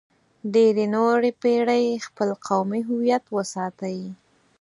ډېرې نورې پېړۍ خپل قومي هویت وساتئ.